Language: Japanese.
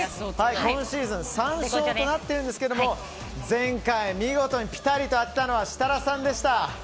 今シーズン３勝となっていますが前回、見事にピタリと当てたのは設楽さんでした。